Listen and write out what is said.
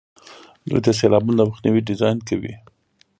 دوی د سیلابونو د مخنیوي ډیزاین کوي.